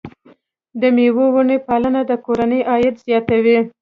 د مېوو ونې پالنه د کورنۍ عاید زیاتوي.